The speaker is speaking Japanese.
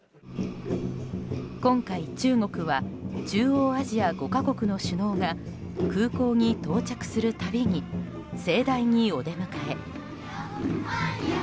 今回、中国は中央アジア５か国の首脳が空港に到着するたびに盛大にお出迎え。